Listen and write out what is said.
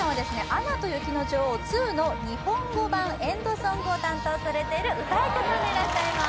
「アナと雪の女王２」の日本語版エンドソングを担当されてる歌い手さんでいらっしゃいます